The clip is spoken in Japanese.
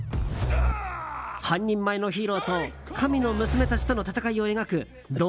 半人前のヒーローと神の娘たちとの戦いを描くド